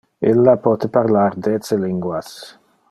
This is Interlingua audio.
Illa pote parlar dece linguas.